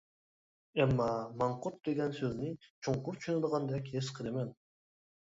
ئەمما، «ماڭقۇرت» دېگەن سۆزنى چوڭقۇر چۈشىنىدىغاندەك ھېس قىلىمەن.